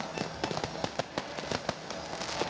aku sudah lakukan